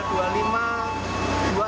itu sudah habis terjual